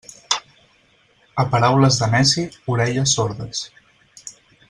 A paraules de neci, orelles sordes.